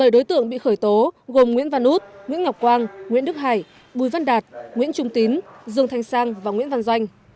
bảy đối tượng bị khởi tố gồm nguyễn văn út nguyễn ngọc quang nguyễn đức hải bùi văn đạt nguyễn trung tín dương thanh sang và nguyễn văn doanh